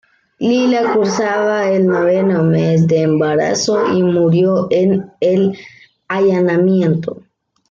Lila cursaba el noveno mes de embarazo y murió en el allanamiento.